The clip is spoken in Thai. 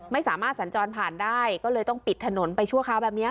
ไม่สามารถสัญจรผ่านได้ก็เลยต้องปิดถนนไปชั่วคราวแบบนี้